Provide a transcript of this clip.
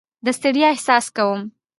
د ستړیا احساس کوم.